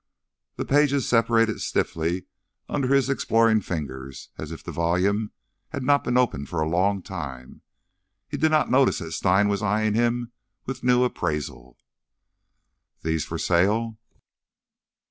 The pages separated stiffly under his exploring fingers as if the volume had not been opened for a long time. He did not notice that Stein was eyeing him with new appraisal. "These for sale?"